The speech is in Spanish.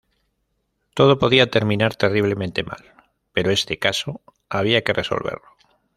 Todo podía terminar terriblemente mal...pero este caso había que resolverlo"".